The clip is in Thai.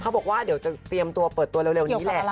บอกว่าเดี๋ยวจะเตรียมตัวเปิดตัวเร็วนี้แหละ